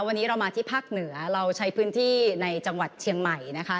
วันนี้เรามาที่ภาคเหนือเราใช้พื้นที่ในจังหวัดเชียงใหม่นะคะ